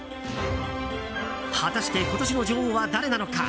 果たして、今年の女王は誰なのか。